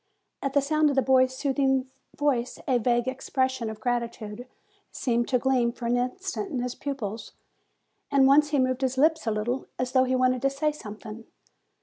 At the sound of the boy's soothing voice a vague expression of gratitude seemed to gleam for an instant in his pupils, and once he moved his lips a little, as though he wanted to say something.